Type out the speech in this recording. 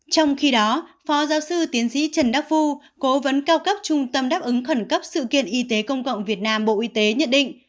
trong khi đó phó giáo sư tiến sĩ trần đắc phu cố vấn cao cấp trung tâm đáp ứng khẩn cấp sự kiện y tế công cộng việt nam bộ y tế nhận định